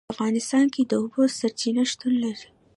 په افغانستان کې د اوبو سرچینې شتون لري.